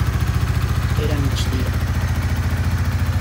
Era migdia.